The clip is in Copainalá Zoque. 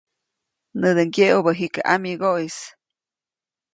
Näde ŋgyeʼubä jikä ʼamigoʼis.